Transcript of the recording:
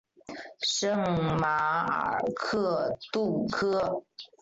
圣马尔克杜科。